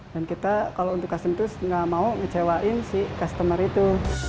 dan kita kalau untuk custom itu nggak mau ngecewain si customer itu